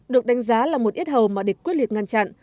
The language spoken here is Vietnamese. được đánh giá là một ít hầu mà địch quyết liệt ngăn chặn